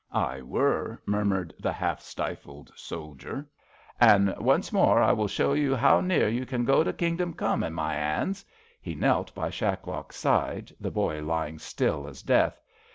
"^^ I were," murmured the half stifled soldier. An' once more I will show you how near you can go to Kingdom Come in my 'ands." He knelt by Shacklock 's side, the boy lying still as death.